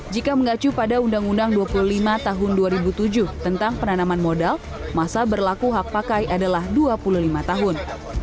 jika mengacu pada undang undang dua puluh lima tahun dua ribu tujuh tentang penanaman modal masa berlaku hak pakai adalah dua puluh lima tahun